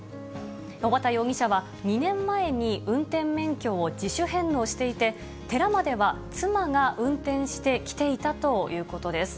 小畠容疑者は２年前に運転免許を自主返納していて、寺までは妻が運転して来ていたということです。